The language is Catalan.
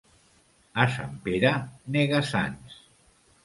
A Sant Pere, nega-sants.